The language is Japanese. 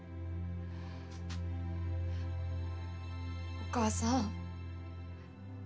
お母さん。